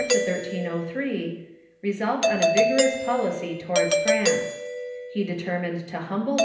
who ruled 1294 1303, resolved on a vigorous policy towards France. He determined to humble